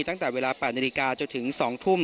ตั้งแต่เวลา๘นจนถึง๒ทุ่ม